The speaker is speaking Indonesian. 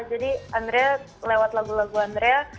jadi andrea lewat lagu lagu andrea